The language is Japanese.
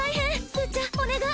すうちゃんお願い！